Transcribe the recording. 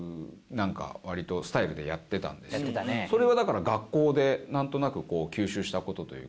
それはだから学校でなんとなく吸収した事というか。